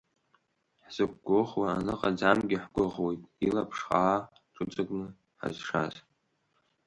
Ҳзықәгәыӷуа аныҟаӡамгьы ҳгәыӷуеит, илаԥш хаа ҳҽыҵакны Ҳазшаз.